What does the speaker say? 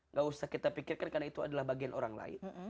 nggak usah kita pikirkan karena itu adalah bagian orang lain